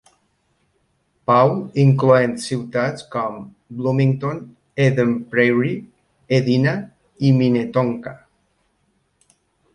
Paul incloent ciutats com Bloomington, Eden Prairie, Edina i Minnetonka.